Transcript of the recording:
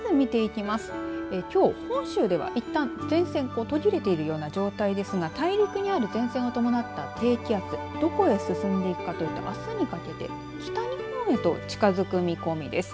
きょう本州ではいったん前線途切れているような状態ですが大陸にある前線を伴った低気圧どこへ進んでいくかというとあすにかけて北日本へと近づく見込みです。